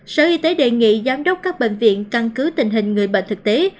sở y tế đề nghị giám đốc các bệnh viện căn cứ tình hình người bệnh thực tế